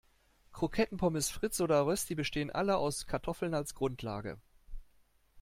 Kroketten, Pommes frites oder Rösti bestehen alle aus Kartoffeln als Grundlage.